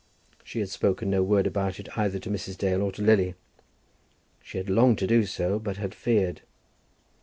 She had spoken no word about it either to Mrs. Dale or to Lily. She had longed to do so, but had feared.